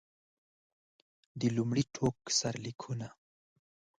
د لومړي ټوک سرلیکونه.